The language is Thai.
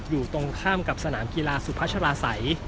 อยู่ตรงข้ามกับสนามกีฬาสุพัชลาศัย